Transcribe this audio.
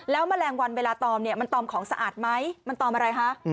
แล้วแมลงวันเวลาตอมเนี่ยมันตอมของสะอาดไหมมันตอมอะไรคะ